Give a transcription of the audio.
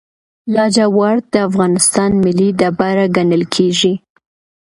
لاجورد د افغانستان ملي ډبره ګڼل کیږي.